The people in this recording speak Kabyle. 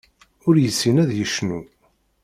Ur yessin ad yecnu.